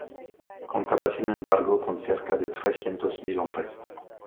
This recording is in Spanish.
Contaba sin embargo con cerca de trescientos mil hombres.